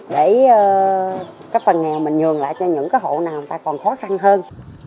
để các phần nghèo mình nhường lại cho những hộ nào còn khó khăn hơn